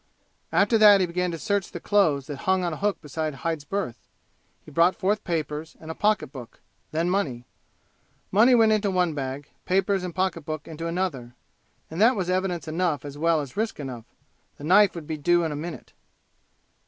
After that he began to search the clothes that hung on a hook beside Hyde's berth. He brought forth papers and a pocketbook then money. Money went into one bag papers and pocketbook into another. And that was evidence enough as well as risk enough. The knife would be due in a minute.